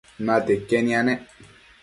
natia iquen yanec